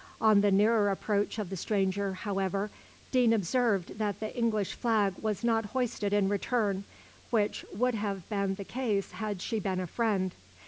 On the nearer approach of the stranger, however, Deane observed that the English flag was not hoisted in return, which would have been the case had she been a friend.